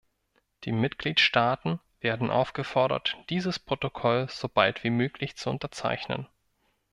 Die Mitgliedstaaten werden aufgefordert, dieses Protokoll so bald wie möglich zu unterzeichnen.